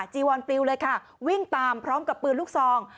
จีวอนปลิวเลยค่ะวิ่งตามพร้อมกับปืนลูกซอง